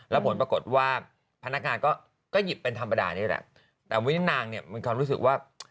แล้วผลปรากฏว่าพนักงานก็ก็หยิบเป็นธรรมดานี่แหละแต่วินินางเนี่ยมีความรู้สึกว่า